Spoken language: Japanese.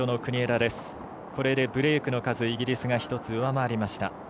これでブレークの数イギリスが１つ上回りました。